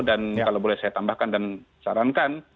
dan kalau boleh saya tambahkan dan sarankan